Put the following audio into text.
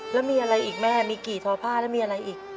แล้วมีอะไรอีกแม่มีกี่ทอผ้าแล้วมีอะไรอีก